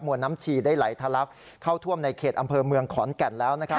น้ำชีได้ไหลทะลักเข้าท่วมในเขตอำเภอเมืองขอนแก่นแล้วนะครับ